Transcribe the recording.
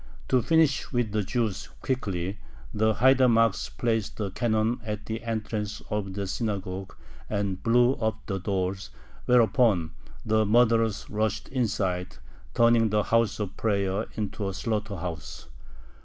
To finish with the Jews quickly, the haidamacks placed a cannon at the entrance of the synagogue and blew up the doors, whereupon the murderers rushed inside, turning the house of prayer into a slaughter house.